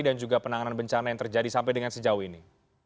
dan juga penanganan bencana yang terjadi sampai dengan sejauh ini